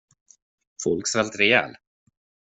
Folk svälter ihjäl.